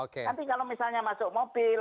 nanti kalau misalnya masuk mobil